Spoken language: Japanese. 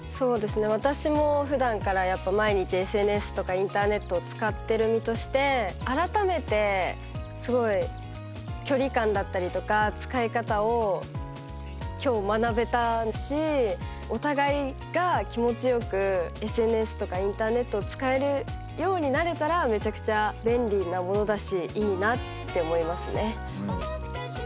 私もふだんからやっぱ毎日ＳＮＳとかインターネットを使ってる身としてあらためてすごい距離感だったりとか使い方を今日学べたしおたがいが気持ち良くＳＮＳとかインターネットを使えるようになれたらめちゃくちゃ便利なものだしいいなって思いますね。